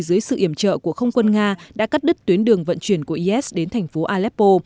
dưới sự iểm trợ của không quân nga đã cắt đứt tuyến đường vận chuyển của is đến thành phố aleppo